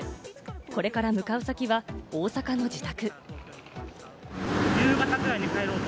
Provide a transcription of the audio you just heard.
これから向かう先は大阪の自宅。